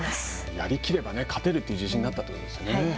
やりきれば勝てるという自信になったということですね。